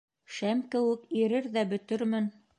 Шәм кеүек ирер ҙә бөтөрмөн.